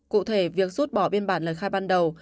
cụ thể việc rút bỏ biên bản lời khai ban đầu